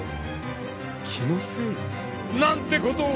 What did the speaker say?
［気のせい？なんてことを！］